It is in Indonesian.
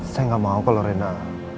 saya nggak mau kalau rena